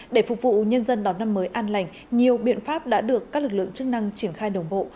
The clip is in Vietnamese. để phục vụ nhân dân đón năm mới an lành nhiều biện pháp đã được các lực lượng chức năng triển khai đồng bộ